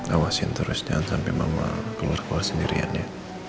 awasin terus jangan sampai mama keluar keluar sendirian ya